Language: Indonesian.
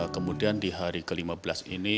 kemudian di hari ke lima belas ini